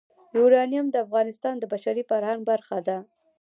یورانیم د افغانستان د بشري فرهنګ برخه ده.